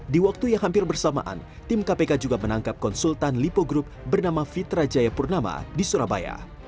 di waktu yang hampir bersamaan tim kpk juga menangkap konsultan lipo group bernama fitra jayapurnama di surabaya